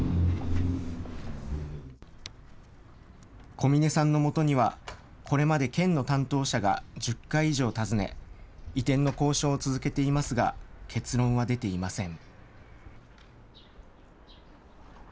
小嶺さんのもとには、これまで県の担当者が１０回以上訪ね、移転の交渉を続けていますが、結論は出ていません。